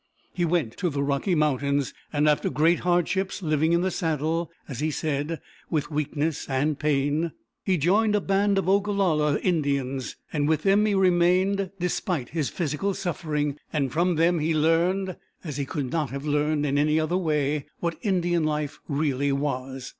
He went to the Rocky Mountains, and after great hardships, living in the saddle, as he said, with weakness and pain, he joined a band of Ogallalla Indians. With them he remained despite his physical suffering, and from them he learned, as he could not have learned in any other way, what Indian life really was.